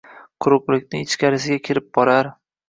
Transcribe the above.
— quruqlikning ichkarisiga kirib borar